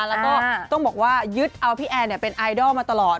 แล้วก็ต้องบอกว่ายึดเอาพี่แอนเป็นไอดอลมาตลอด